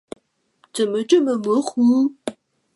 怎么这么模糊？